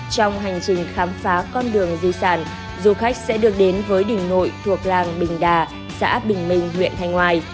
trong hành trình khám phá con đường di sản du khách sẽ được đến với đỉnh nội thuộc làng bình đà xã bình minh huyện thanh ngoài